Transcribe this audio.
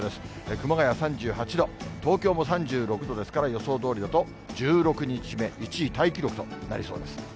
熊谷３８度、東京も３６度ですから、予想どおりだと１６日目、１位タイ記録となりそうです。